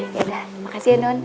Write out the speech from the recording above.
yaudah makasih ya non